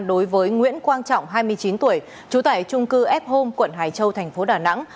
đối với nguyễn quang trọng hai mươi chín tuổi chú tải trung cư f home quận hải châu tp đà nẵng